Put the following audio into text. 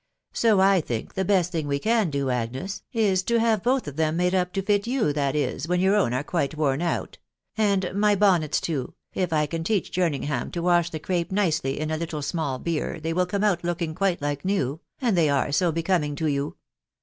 So, I think the best thing we can do, Agnes, is to have both of them made up to fit you, that is, when your own are quite worn out ;.... and my bonnets, too, if I can teach Jerningham to wash the crape nicely in a little small beer, they will come out looking quite like new, .... and they are so becoming to you